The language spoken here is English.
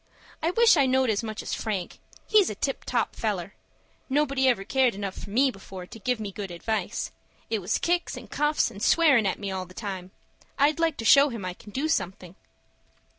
I wish I knowed as much as Frank. He's a tip top feller. Nobody ever cared enough for me before to give me good advice. It was kicks, and cuffs, and swearin' at me all the time. I'd like to show him I can do something."